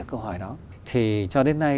câu hỏi đó thì cho đến nay